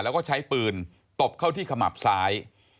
แล้วก็ใช้ปืนตบเข้าที่ขมับซ้าย